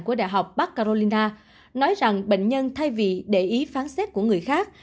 của đại học bắc carolina nói rằng bệnh nhân thay vì để ý phán xét của người khác